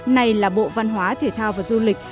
này là bộ văn hóa thể thao và du lịch